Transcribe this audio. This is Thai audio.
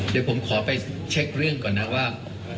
เดี๋ยวผมขอไปเช็คเรื่องก่อนนะว่า